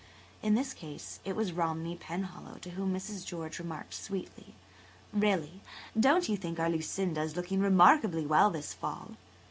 In this case it was Romney Penhallow to whom Mrs. George remarked sweetly: "Really, don't you think our Lucinda is looking remarkably well this fall?"